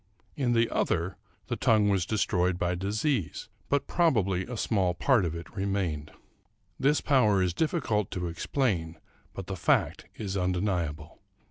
In the other the tongue was destroyed by disease, but probably a small part of it remained. This power is difficult to explain, but the fact is undeniable.